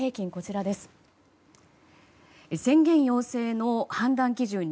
宣言要請の判断基準